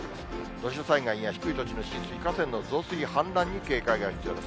土砂災害や低い土地の浸水、また河川の増水、氾濫に警戒が必要です。